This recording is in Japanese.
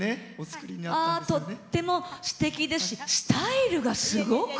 とってもすてきだしスタイルがすごく。